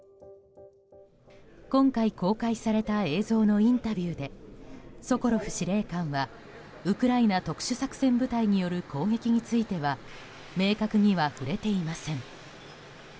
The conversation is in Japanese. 今回、公開された映像のインタビューでソコロフ司令官はウクライナ特殊作戦部隊による攻撃については明確には触れていません。